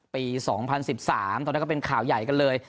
ปี๒๐๑๓ตอนนั้นก็เป็นข่าวใหญ่กันเลย